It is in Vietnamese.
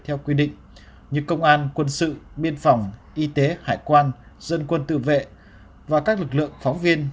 theo quy định như công an quân sự biên phòng y tế hải quan dân quân tự vệ và các lực lượng phóng viên